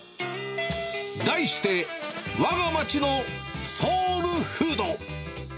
題して、わが町のソウルフード。